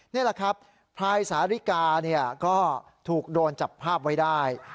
นี่แหละครับพลายสาริกาก็ถูกโดนจับภาพไว้ได้